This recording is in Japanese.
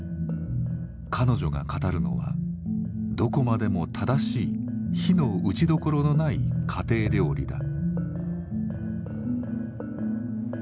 彼女が語るのはどこまでも正しい非のうちどころのない家庭料理だ。